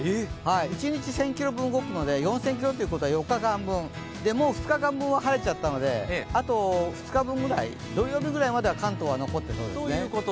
一日１０００ｋｍ分動くので４０００ｋｍっていうことは、４日間分でもう２日間分は晴れちゃったのであと２日分ぐらい、土曜日分ぐらいは関東は残っているんですね。